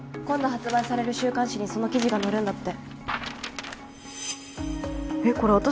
今度発売される週刊誌にその記事が載るんだってえっこれ